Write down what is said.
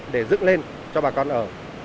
để dựng lên cho bà con ở